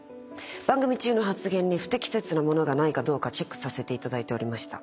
番組中の発言に不適切なものがないかどうかチェックさせていただいておりました。